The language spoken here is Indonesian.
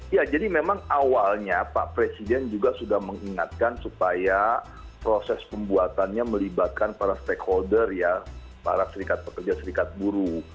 ya jadi memang awalnya pak presiden juga sudah mengingatkan supaya proses pembuatannya melibatkan para stakeholder ya para serikat pekerja serikat buruh